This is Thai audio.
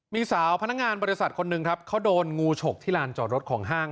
มีสาวพนักงานบริษัทคนหนึ่งครับเขาโดนงูฉกที่ลานจอดรถของห้าง